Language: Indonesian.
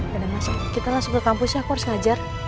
ya udah mas kita langsung ke kampus ya aku harus ngajar